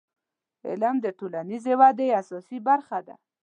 • علم د ټولنیزې ودې اساسي برخه ده.